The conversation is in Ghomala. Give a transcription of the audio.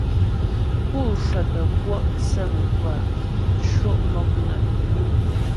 Pú cwə́tə kwɔ' thə́ mə́twâ sho' mɔk nə.